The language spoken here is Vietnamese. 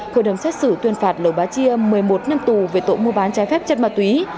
hội đồng xét xử tuyên phạt lầu bá chia một mươi một năm tù về tội mua bán trái phép chất ma túy